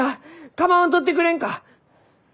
構わんとってくれんか！